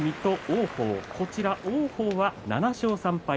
王鵬は７勝３敗。